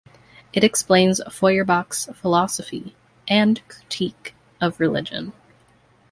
It explains Feuerbach's philosophy and critique of religion.